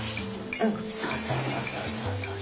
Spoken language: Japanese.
うんそうそうそうそう。